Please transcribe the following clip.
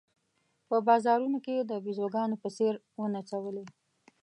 په بازارونو کې د بېزوګانو په څېر ونڅولې.